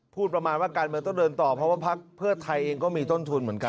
พูดประมาณว่าการเมืองต้องเดินต่อเพราะว่าพักเพื่อไทยเองก็มีต้นทุนเหมือนกัน